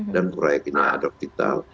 dan proyek ini ada kita